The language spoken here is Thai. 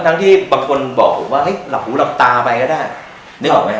ทั้งที่บางคนบอกว่าเห้ยหลับหูหลับตาไปไหม